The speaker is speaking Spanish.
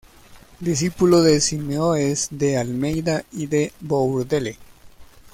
Discípulo de Simões de Almeida y de Bourdelle.